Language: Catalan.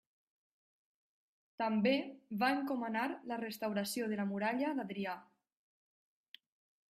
També va encomanar la restauració de la muralla d'Adrià.